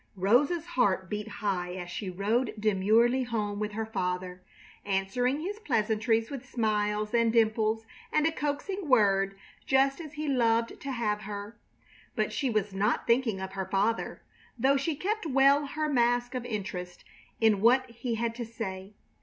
Rosa's heart beat high as she rode demurely home with her father, answering his pleasantries with smiles and dimples and a coaxing word, just as he loved to have her. But she was not thinking of her father, though she kept well her mask of interest in what he had to say.